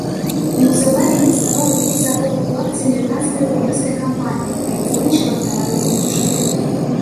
Неўзабаве інвеставаў увесь заробак у акцыі амерыканскай брокерскай кампаніі, якая дзейнічала на таварнай біржы.